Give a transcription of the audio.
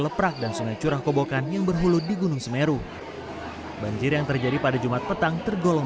leprak dan sungai curah kobokan yang berhulu di gunung semeru banjir yang terjadi pada jumat petang tergolong